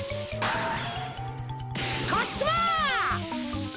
こっちも！